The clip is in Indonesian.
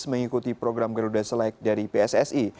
mengikuti program garuda selike dari pssi